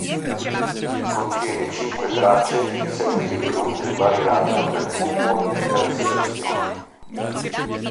Contiene cinque tracce in seguito incluse in vari album del gruppo in diverse versioni.